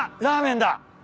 ラーメンだ。